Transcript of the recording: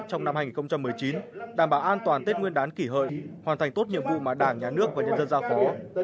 trong năm hai nghìn một mươi chín đảm bảo an toàn tết nguyên đán kỷ hợi hoàn thành tốt nhiệm vụ mà đảng nhà nước và nhân dân giao phó